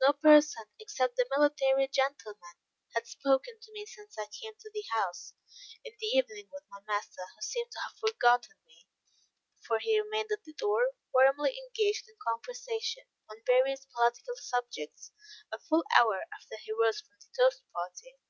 No person, except the military gentleman, had spoken to me since I came to the house in the evening with my master, who seemed to have forgotten me; for he remained at the door, warmly engaged in conversation, on various political subjects, a full hour after he rose from the toast party.